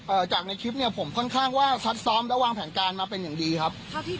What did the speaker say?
จากในคลิปเนี้ยผมค่อนข้างว่าซัดซ้อมและวางแผนการมาเป็นอย่างดีครับครับ